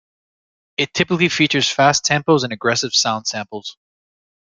It typically features fast tempos and aggressive sound samples.